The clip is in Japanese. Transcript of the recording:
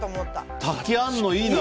滝あるのいいな。